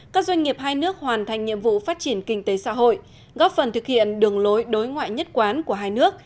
các doanh nghiệp hai nước hoàn thành nhiệm vụ phát triển kinh tế xã hội góp phần thực hiện đường lối đối ngoại nhất quán của hai nước